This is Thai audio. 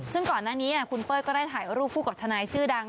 ซึ่งก่อนหน้านี้คุณเป้ยก็ได้ถ่ายรูปคู่กับทนายชื่อดัง